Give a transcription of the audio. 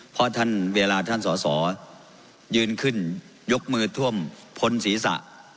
เพราะท่านเวลาท่านสอสอยืนขึ้นยกมือท่วมพ้นศีรษะ